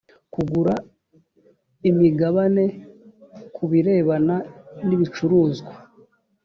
kugura imigabane ku birebana n ibicuruzwa